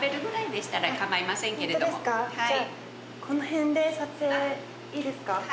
じゃあこの辺で撮影いいですか？